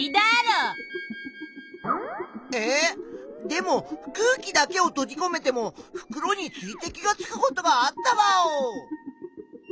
でも空気だけをとじこめても袋に水滴がつくことがあったワオ！